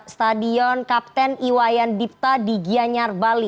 stadion kapten iwayan dipta di gianyar bali